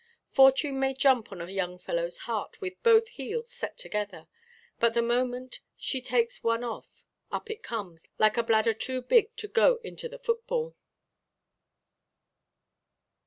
Fortune may jump on a young fellowʼs heart, with both heels set together; but, the moment she takes one off, up it comes, like a bladder too big to go into the football.